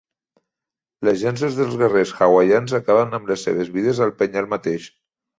Les llances dels guerrers hawaians acaben amb les seves vides al penyal mateix.